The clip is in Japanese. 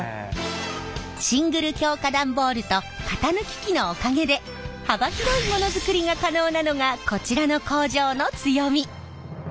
シングル強化段ボールと型抜き機のおかげで幅広いものづくりが可能なのがこちらの工場の強み。